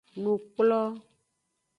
Nukplo.